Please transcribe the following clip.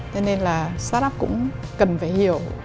thế nên là start up cũng cần phải hiểu